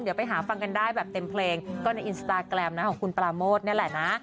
เดี๋ยวไปหาฟังกันได้แบบเต็มเพลงก็ในอินสตาแกรมนะของคุณปราโมทนี่แหละนะ